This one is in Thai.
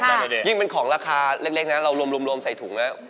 ดิยิ่งเป็นของราคาเล็กนะเรารวมใส่ถุงแล้ว